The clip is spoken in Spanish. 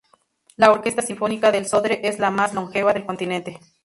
La Orquesta Sinfónica del Sodre es la más longeva del continente.